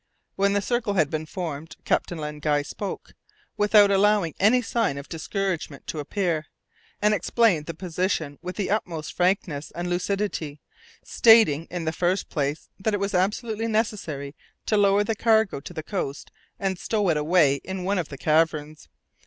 When the circle had been formed, Captain Len Guy spoke, without allowing any sign of discouragement to appear, and explained the position with the utmost frankness and lucidity, stating in the first place that it was absolutely necessary to lower the cargo to the coast and stow it away in one of the caverns.